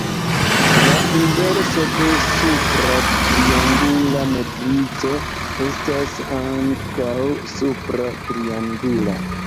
La inverso de supra triangula matrico estas ankaŭ supra triangula.